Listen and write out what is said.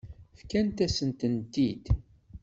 Fkant-asen-tent-id.